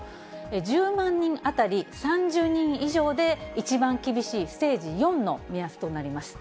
１０万人当たり３０人以上で一番厳しいステージ４の目安となります。